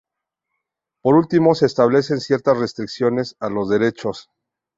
Por último, se establecen ciertas restricciones a los derechos.